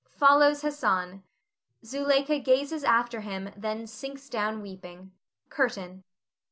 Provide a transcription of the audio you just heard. [Follows Hassan; Zuleika gazes after him, then sinks down weeping.] CURTAIN.